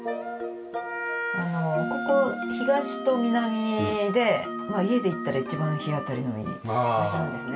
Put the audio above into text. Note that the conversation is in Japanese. あのここ東と南で家でいったら一番日当たりのいい場所なんですね。